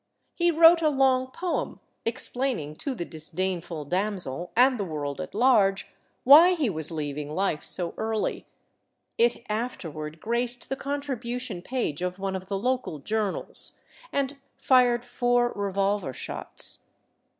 He wrote a long poem explaining to the disdainful damsel, and the world at large, why he was leaving life so early — it after ward graced the contribution page of one of the local journals — and fired four revolver shots.